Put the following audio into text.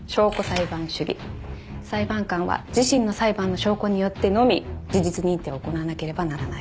裁判官は自身の裁判の証拠によってのみ事実認定を行わなければならない。